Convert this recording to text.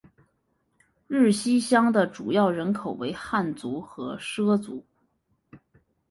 日溪乡的主要人口为汉族和畲族。